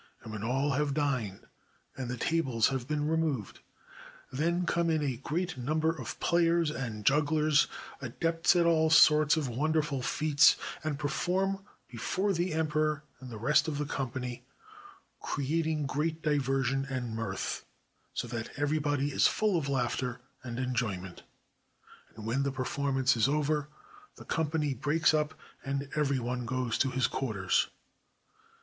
And when all have dined and the tables have been removed, then come in a great number of players and jugglers, adepts at all sorts of wonderful feats, and perform before the emperor and the rest of the company, creating great diversion and mirth, so that everybody is full of laughter and enjoyment. And when the performance is over, the company breaks up and every one goes to his quarters.